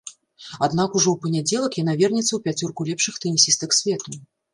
Аднак ужо ў панядзелак яна вернецца ў пяцёрку лепшых тэнісістак свету.